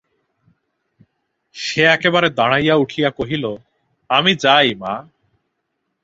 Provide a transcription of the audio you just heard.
সে একেবারে দাঁড়াইয়া উঠিয়া কহিল, আমি যাই মা!